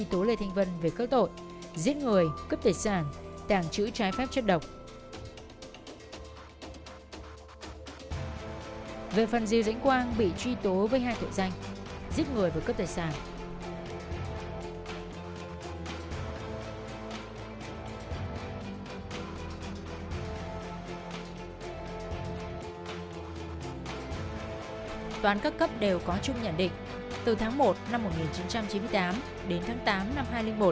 từ tháng một năm một nghìn chín trăm chín mươi tám đến tháng tám năm hai nghìn một